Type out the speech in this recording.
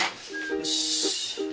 よし。